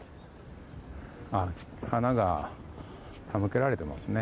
花が手向けられていますね。